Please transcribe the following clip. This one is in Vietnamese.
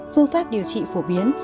phương pháp điều trị phổ biến